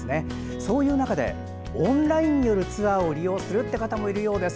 そういう中でオンラインによるツアーを利用する方もいるようです。